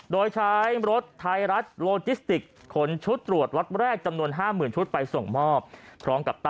โดยใช้รถไทยรัฐโลจิสติกขนชุดตรวจล็อตแรกจำนวน๕๐๐๐ชุดไปส่งมอบพร้อมกับ